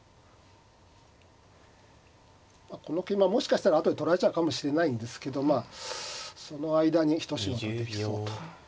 この桂馬もしかしたら後で取られちゃうかもしれないんですけどその間に一仕事できそうと。